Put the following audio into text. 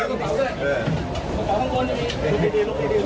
สวัสดีครับสวัสดีครับ